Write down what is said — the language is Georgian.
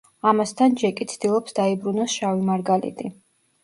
ამასთან, ჯეკი ცდილობს, დაიბრუნოს „შავი მარგალიტი“